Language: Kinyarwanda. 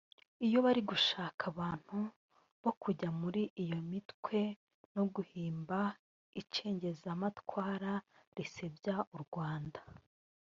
iyo bari gushaka abantu bo kujya muri iyo mitwe no guhimba icengezamatwara risebya u Rwanda